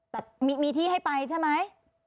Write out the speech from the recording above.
แต่มีที่ให้ไปใช่ไหม